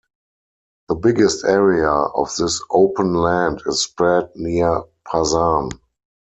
The biggest area of this open land is spread near Pasan.